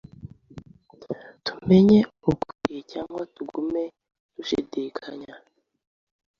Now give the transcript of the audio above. tumenye ukuri cyangwa tugume dushidikanya